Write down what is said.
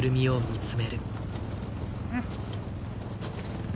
うん。